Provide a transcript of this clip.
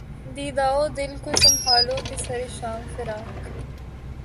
دیدہ و دل کو سنبھالو کہ سر شام فراق